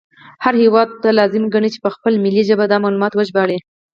هر هیواد دا لازمه ګڼي چې په خپله ملي ژبه دا معلومات وژباړي